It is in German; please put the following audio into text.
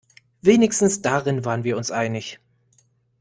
Wenigstens darin waren wir uns einig.